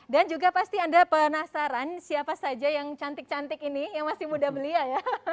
dan juga pasti anda penasaran siapa saja yang cantik cantik ini yang masih muda belia ya